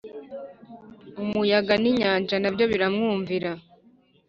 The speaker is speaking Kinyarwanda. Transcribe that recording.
Umuyaga n inyanja na byo biramwumvira